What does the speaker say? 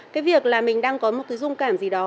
cái việc là mình đang có một cái dung cảm gì đó